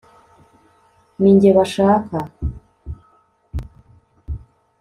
ninjye bashaka